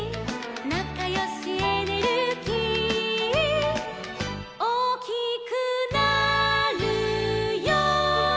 「なかよしエネルギー」「おおきくなるよ」